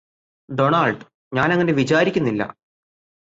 Donald ഞാന് അങ്ങനെ വിചാരിക്കുന്നില്ല